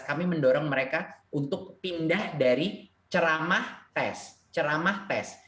kami mendorong mereka untuk pindah dari ceramah tes